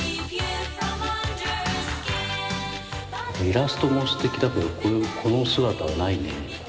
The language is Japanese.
イラストもすてきだけどこの姿はないね。